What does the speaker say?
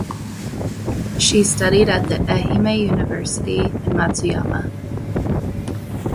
She studied at the Ehime University in Matsuyama.